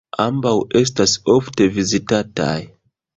Ambaŭ estas ofte vizitataj.